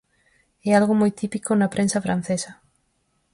É algo moi típico na prensa francesa.